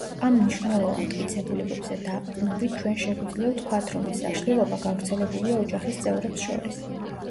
ამ მნიშვნელოვან მტკიცებულებებზე დაყრდნობით ჩვენ შეგვიძლია ვთქვათ, რომ ეს აშლილობა გავრცელებულია ოჯახის წევრებს შორის.